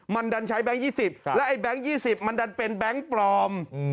มันดันใช้แบงค์๒๐และไอ้แบงค์๒๐มันดันเป็นแก๊งปลอม